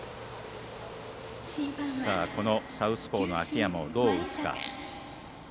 このサウスポーの秋山をどう打つか。